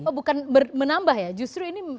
oh bukan menambah ya justru ini